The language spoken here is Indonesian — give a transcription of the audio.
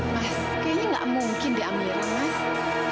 mas kayaknya gak mungkin deh amira mas